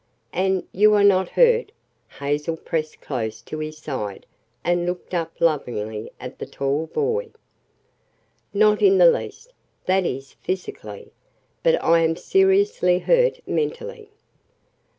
"And, you are not hurt?" Hazel pressed close to his side and looked up lovingly at the tall boy. "Not in the least that is, physically. But I am seriously hurt mentally."